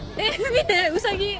見てウサギ！